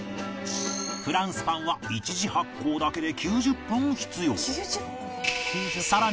フランスパンは一次発酵だけで９０分必要